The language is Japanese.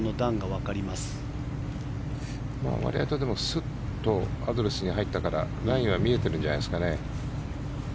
わりとスッとアドレスに入ったからラインは見えてるんじゃないですかね。